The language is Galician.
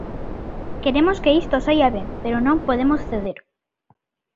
"Queremos que isto saia ben, pero non podemos ceder".